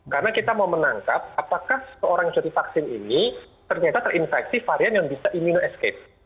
karena kita mau menangkap apakah seorang yang sudah divaksin ini ternyata terinfeksi varian yang bisa imuno escape